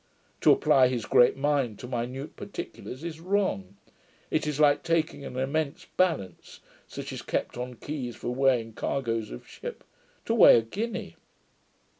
To apply his great mind to minute particulars, is wrong: it is like taking an immense balance, such as is kept on quays for weighing cargoes of ships, to weigh a guinea.